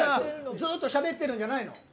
ずっとしゃべってるんじゃないの？